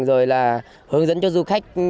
rồi là hướng dẫn cho du khách